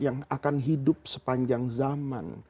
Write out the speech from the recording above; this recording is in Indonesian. yang akan hidup sepanjang zaman